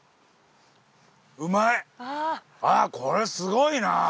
ああこれすごいな！